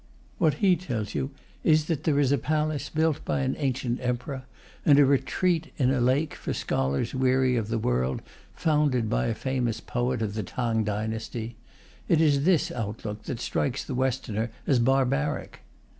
What he tells you is that there is a palace built by an ancient emperor, and a retreat in a lake for scholars weary of the world, founded by a famous poet of the Tang dynasty. It is this outlook that strikes the Westerner as barbaric.